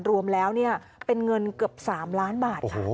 รวมแล้วเป็นเงินเกือบ๓ล้านบาทค่ะ